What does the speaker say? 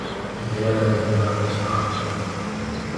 گيهرآ جھٚنِگآ مي سآنپ تآ۔